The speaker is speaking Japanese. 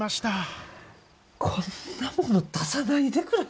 こんなもの出さないでくれ。